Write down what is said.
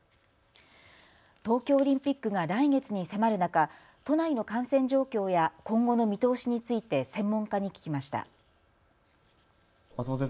東京オリンピックが来月に迫る中、都内の感染状況や今後の見通しについて専門家に聞きました。